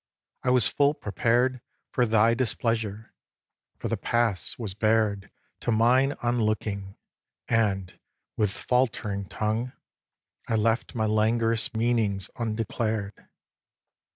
I was full prepared For thy displeasure, for the past was bared To mine on looking; and, with faltering tongue, I left my languorous meanings undeclared.